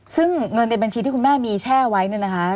ซึ่งเงินในบัญชีที่คุณแม่มีแช่ไว้เนี่ยนะคะ